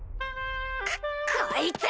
⁉くっこいつ！